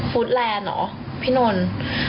ฟู้ดแลนด์เหรอพี่นนท์